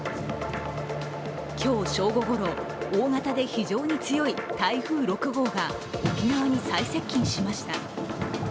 今日、正午ごろ、大型で非常に強い台風６号が沖縄に最接近しました。